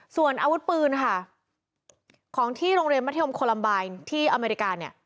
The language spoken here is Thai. ส่วนอาวุธปืนค่ะของที่โรงเรียนมัธยมโคลัมบายที่อเมริกาเนี่ย